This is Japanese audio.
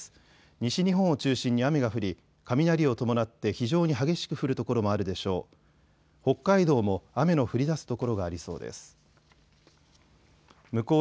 西日本を中心に雨が降り雷を伴って非常に激しく降る所もあるでしょう。